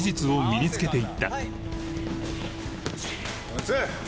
はい。